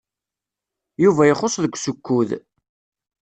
Yuba ixuṣṣ deg usekkud.